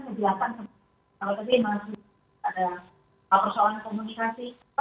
kalau tadi masih ada persoalan komunikasi atau kelaut